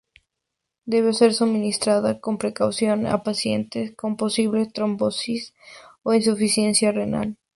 Debe ser suministrada con precaución en pacientes con posible trombosis o insuficiencia renal.